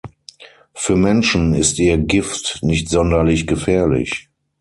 Für Menschen ist ihr Gift nicht sonderlich gefährlich.